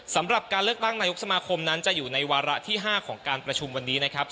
สำหรับการเลือกตั้งนายกสมาคมนั้นจะอยู่ในวาระที่๕ของการประชุมวันนี้นะครับ